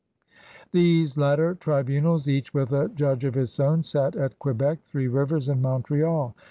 These latter tribunals, each with a judge of its own, sat at Quebec, Three Rivers, and Montreal.